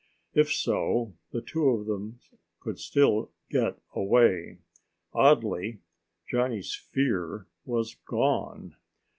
If so, the two of them could still get away. Oddly, Johnny's fear was gone.